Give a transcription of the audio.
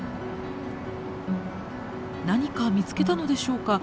何か見つけたのでしょうか。